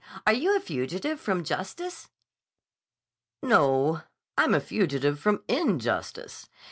Are you a fugitive from justice?" "No. I'm a fugitive from injustice.